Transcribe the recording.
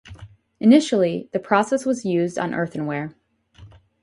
Initially, the process was used on earthenware.